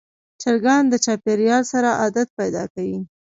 چرګان د چاپېریال سره عادت پیدا کوي.